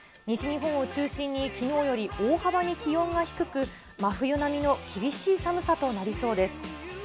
西日本を中心に、きのうより大幅に気温が低く、真冬並みの厳しい寒さとなりそうです。